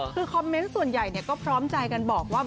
คือคอมเมนต์ส่วนใหญ่ก็พร้อมใจกันบอกว่า